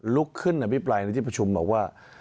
ลุกขึ้นอภิปรายในที่ประชุมบอกว่า